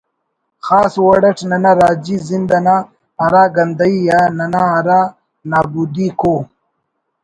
خاص وڑ اٹ ننا راجی زند انا ہرا گندہی یا ننا ہرا نابودیک ءُ